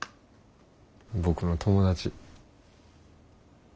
僕の友達。